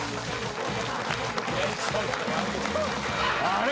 あれ？